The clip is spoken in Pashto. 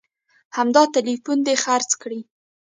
همدا ټلیفون دې خرڅ کړي